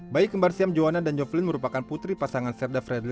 bayi kembar siam johanan dan joflin merupakan putri pasangan serda fredrik